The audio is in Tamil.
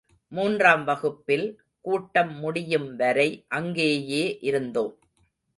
மூன்றாம் வகுப்பில், கூட்டம் முடியும் வரை அங்கேயே இருந்தோம்.